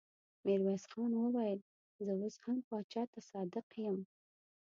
ميرويس خان وويل: زه اوس هم پاچا ته صادق يم.